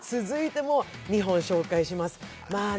続いても２本紹介します。